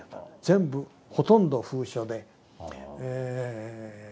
全部ほとんど封書でしたね。